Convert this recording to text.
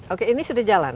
oke ini sudah jalan